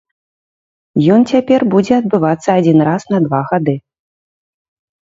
Ён цяпер будзе адбывацца адзін раз на два гады.